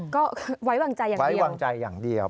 ก็ไว้วางใจอย่างเดียวไว้วางใจอย่างเดียว